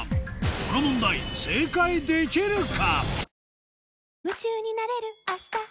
この問題正解できるか？